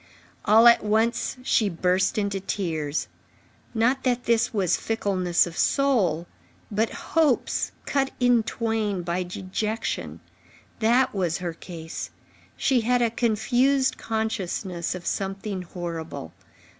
All at once, she burst into tears. Not that this was fickleness of soul; but hopes cut in twain by dejection—that was her case. She had a confused consciousness of something horrible.